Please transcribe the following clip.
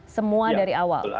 semua dari awal